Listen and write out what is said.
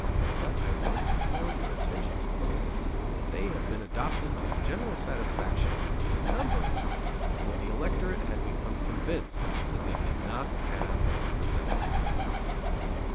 But I want to call your attention to the fact that they have been adopted to the general satisfaction in a number of states where the electorate had become convinced that they did not have representative government.